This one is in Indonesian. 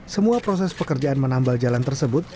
semua proses pekerjaan menambal jalan tersebut